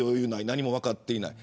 何も分かっていない。